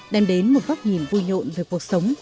đem đến một góc nhìn vui nhộn về cuộc sống